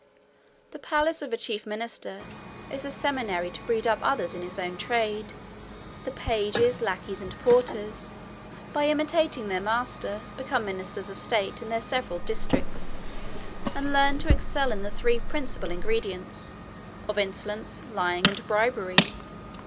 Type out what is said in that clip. "The palace of a chief minister is a seminary to breed up others in his own trade: the pages, lackeys, and porters, by imitating their master, become ministers of state in their several districts, and learn to excel in the three principal ingredients, of insolence, lying, and bribery.